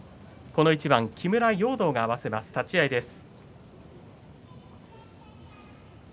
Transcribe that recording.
この一番、木村容堂が合わせます立ち合いです。